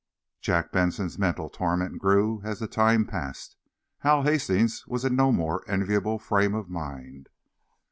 Jack Benson's mental torment grew as the time passed. Hal Hastings was in no more enviable frame of mind.